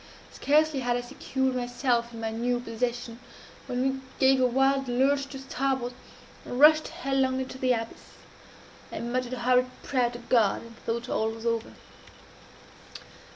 Scarcely had I secured myself in my new position, when we gave a wild lurch to starboard, and rushed headlong into the abyss. I muttered a hurried prayer to God, and thought all was over.